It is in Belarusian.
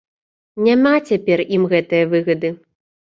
Няма цяпер ім гэтае выгады.